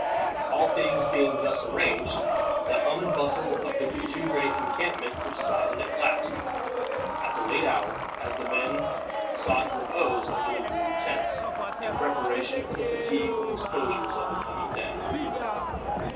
All things being thus arranged, the hum and bustle of the two great encampments subsided at last, at a late hour, as the men sought repose under their rude tents, in preparation for the fatigues and exposures of the coming day.